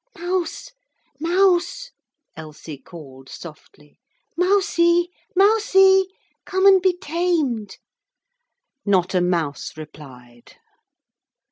'Mouse, mouse!' Elsie called softly. 'Mousie, mousie, come and be tamed!' Not a mouse replied.